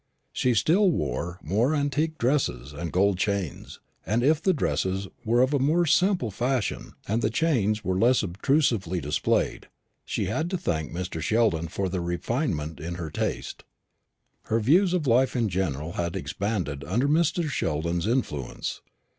She still wore moire antique dresses and gold chains; and if the dresses were of more simple fashion, and the chains were less obtrusively displayed, she had to thank Mr. Sheldon for the refinement in her taste. Her views of life in general had expanded under Mr. Sheldon's influence.